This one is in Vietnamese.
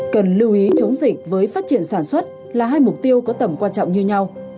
cần lưu ý chống dịch với phát triển sản xuất là hai mục tiêu có tầm quan trọng như nhau